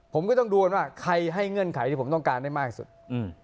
ผมก็ต้องดูกันว่าใครให้เงื่อนไขที่ผมต้องการได้มากสุดอืม